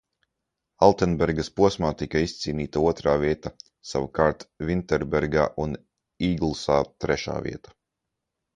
Altenbergas posmā tika izcīnīta otrā vieta, savukārt Vinterbergā un Īglsā – trešā vieta.